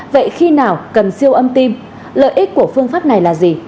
vậy khi nào cần siêu âm tim lợi ích của phương pháp này là gì